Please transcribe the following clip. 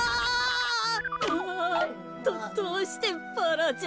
あぁどどうしてバラじゃ。